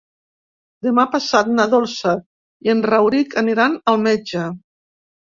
Demà passat na Dolça i en Rauric aniran al metge.